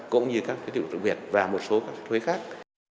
cũng như các thuế tiểu tượng biệt và một số các thuế khác